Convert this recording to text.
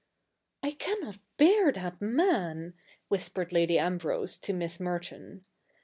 ' I cannot bear that man,' whispered Lady Ambrose to Miss Merton.